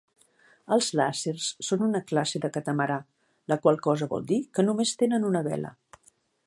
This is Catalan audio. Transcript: Els làsers són una classe de catamarà, la qual cosa vol dir que només tenen una vela.